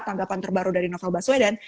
tanggapan terbaru dari novel baswedan